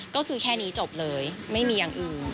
ก็คือแค่นี้จบเลยไม่มีอย่างอื่น